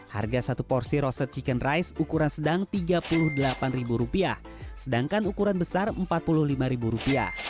harga satu porsi roasted chicken rice ukuran sedang rp tiga puluh delapan sedangkan ukuran besar rp empat puluh lima